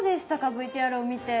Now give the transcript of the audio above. ＶＴＲを見て。